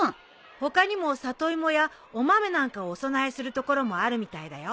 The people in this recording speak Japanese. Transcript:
他にも里芋やお豆なんかをお供えするところもあるみたいだよ。